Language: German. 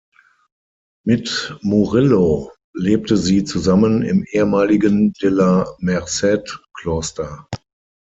Mit Murillo lebte sie zusammen im ehemaligen De la Merced-Kloster.